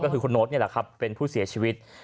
ก็คือคุณโน๊ตนี่แหละครับเป็นผู้เสียชีวิต